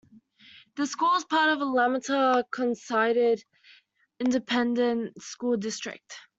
The school is part of the Lamar Consolidated Independent School District.